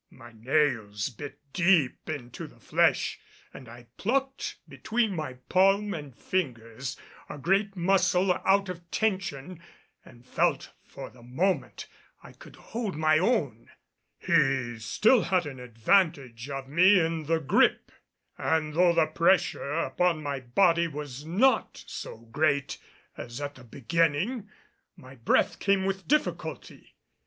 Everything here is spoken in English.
My nails bit deep into the flesh and I plucked between my palm and fingers a great muscle out of tension, and felt for the moment I could hold my own. He still had an advantage of me in the gripe; and though the pressure upon my body was not so great as at the beginning, my breath came with difficulty.